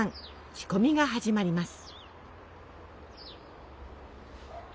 仕込みが始まります。